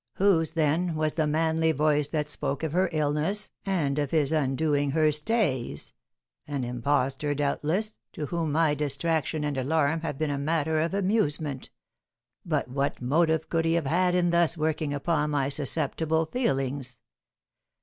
"Whose, then, was the manly voice that spoke of her illness, and of his undoing her stays? An impostor, doubtless, to whom my distraction and alarm have been a matter of amusement; but what motive could he have had in thus working upon my susceptible feelings?